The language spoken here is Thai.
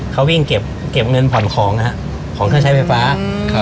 เขาวิ่งเก็บเงินผ่อนของนะฮะของเครื่องใช้ไฟฟ้าครับ